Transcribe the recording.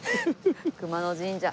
熊野神社。